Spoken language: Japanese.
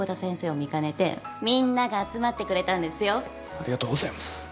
ありがとうございます。